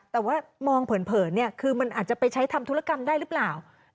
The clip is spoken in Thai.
แต่ว่ามองเผินคือมันอาจจะไปใช้ทำธุรกรรมได้หรือเปล่า